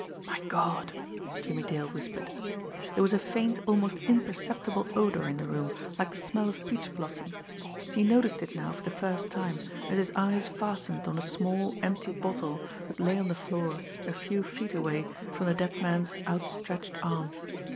"My God!" Jimmie Dale whispered. There was a faint, almost imperceptible odour in the room, like the smell of peach blossom he noticed it now for the first time, as his eyes fastened on a small, empty bottle that lay on the floor a few feet away from the dead man's outstretched arm.